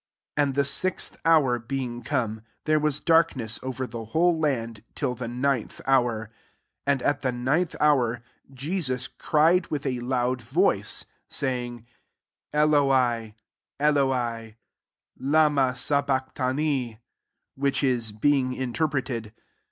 33 And the sixth hour being come, there was darkness over the whole land, till the ninth hour. 34 And at the ninth hour Jesus cried with a loud voice, saying, *' £loi, Eloi, lamst sa bacht^bani?" which is, being interpreted.